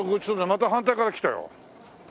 また反対から来たよ。